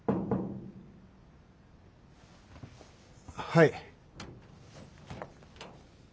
はい。